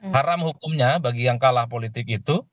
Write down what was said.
haram hukumnya bagi yang kalah politik itu